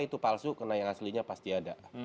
itu palsu karena yang aslinya pasti ada